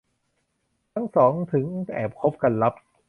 ทั้งสองถึงแอบคบกันลับ